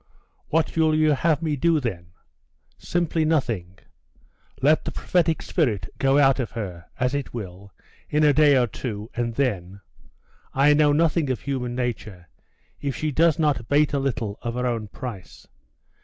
'What will you have me do then?' 'Simply nothing. Let the prophetic spirit go out of her, as it will, in a day or two, and then I know nothing of human nature, if she does not bate a little of her own price.